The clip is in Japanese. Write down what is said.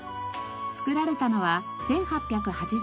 作られたのは１８８１年。